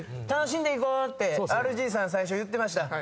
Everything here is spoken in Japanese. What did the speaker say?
「楽しんでいこう」ってＲＧさん最初言ってました。